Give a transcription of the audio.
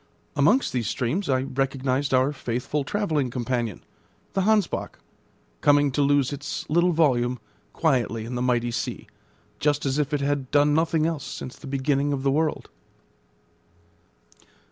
Amongst these streams I recognised our faithful travelling companion, the Hansbach, coming to lose its little volume quietly in the mighty sea, just as if it had done nothing else since the beginning of the world.